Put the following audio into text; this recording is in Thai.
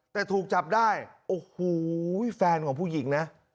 แต่ถูกจับได้โอ้โหแฟนของผู้หญิงนะ